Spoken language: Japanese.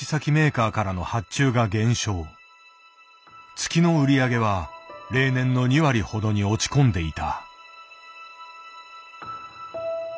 月の売り上げは例年の２割ほどに落ち込んでいた。